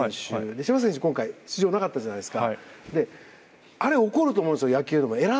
柴崎選手は今回出場がなかったじゃないですか。